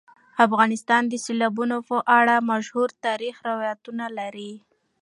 افغانستان د سیلابونو په اړه مشهور تاریخی روایتونه لري.